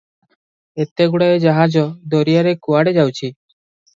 ଏତେଗୁଡାଏ ଜାହାଜ ଦରିଆରେ କୁଆଡ଼େ ଯାଉଛି ।